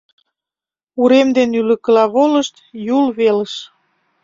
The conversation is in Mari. Урем дене ӱлыкыла волышт, Юл велыш.